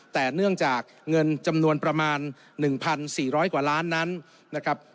แต่เนื่องจากเงินจำนวนประมาณ๑๔๐๐กว่าล้านนั้นนะครับ